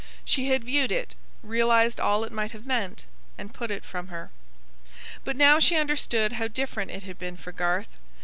She had viewed it; realised all it might have meant; and put it from her. But now she understood how different it had been for Garth.